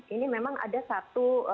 ini memang ada satu